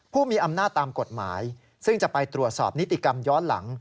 ผู้มีอำนาจตามกฎหมายซึ่งจะไปตรวจสอบนิติกรรมย้อนหลัง